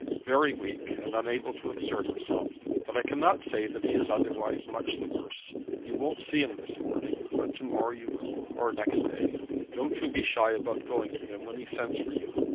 "Very weak and unable to exert himself. But I cannot say that he is otherwise much the worse. You won't see him this morning; but to morrow you will, or next day. Don't you be shy about going to him when he sends for you.